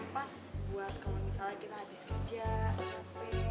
pas buat kalau misalnya kita habis kerja capek